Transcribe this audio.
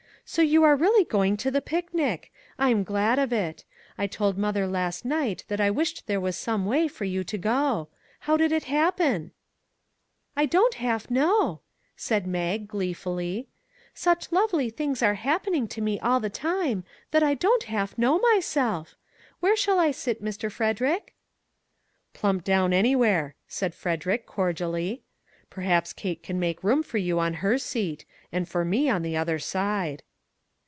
So you are really going to the picnic! I'm glad of it. I told mother last night that I wished there was some way for you to go. How did it happen ?"" I don't half know," said Mag, gleefully. " Such lovely things are happening to me all the time that I don't half know myself. Where shall I sit, Mr. Frederick?" " Plump down anywhere," said Frederick, cordially ;" perhaps Kate can make room for you on her seat, and for me on the other side."